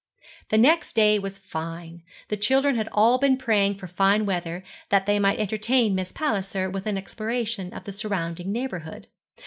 The next day was fine. The children had all been praying for fine weather, that they might entertain Miss Palliser with an exploration of the surrounding neighbourhood.